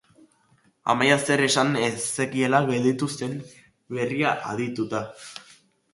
Amaia zer esan ez zekiela gelditu zen berria adituta.